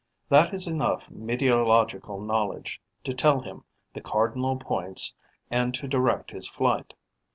That is enough meteorological knowledge to tell him the cardinal points and to direct his flight.